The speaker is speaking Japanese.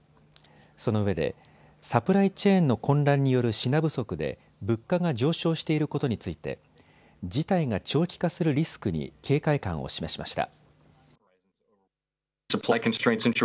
そのうえでサプライチェーンの混乱による品不足で物価が上昇していることについて事態が長期化するリスクに警戒感を示しました。